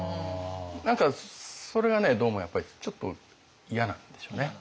何かそれがねどうもやっぱりちょっと嫌なんでしょうね。